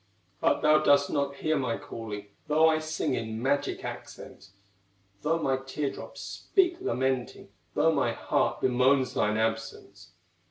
But thou dost not hear my calling, Though I sing in magic accents, Though my tear drops speak lamenting, Though my heart bemoans thine absence.